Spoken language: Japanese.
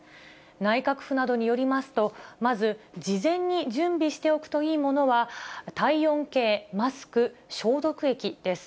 内閣府などによりますと、まず事前に準備しておくといいものは、体温計、マスク、消毒液です。